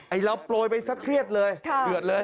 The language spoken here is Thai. ไอ้เราโปรยไปสักเครียดเลย